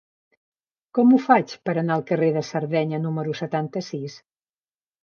Com ho faig per anar al carrer de Sardenya número setanta-sis?